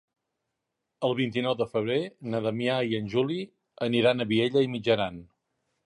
El vint-i-nou de febrer na Damià i en Juli aniran a Vielha e Mijaran.